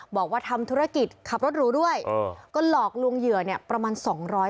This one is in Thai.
บอกว่าทำธุรกิจขับรถหลูด้วยก็หลอกลวงเหยื่อประมาณ๒๐๐คนนะคะ